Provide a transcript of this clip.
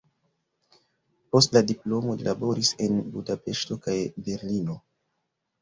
Post la diplomo li laboris en Budapeŝto kaj Berlino.